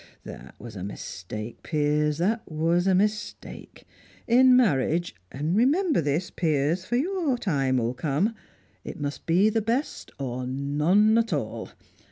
Ah, that was a mistake, Piers; that was a mistake. In marriage and remember this, Piers, for your time'll come it must be the best, or none at all.